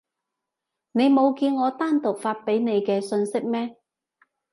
你冇見我單獨發畀你嘅訊息咩？